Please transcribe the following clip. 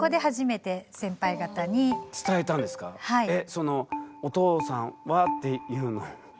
そのお父さんはっていうのもですか？